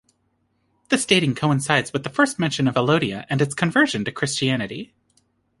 This dating coincides with the first mention of Alodia and its conversion to Christianity.